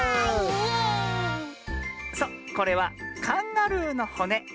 そうこれはカンガルーのほね。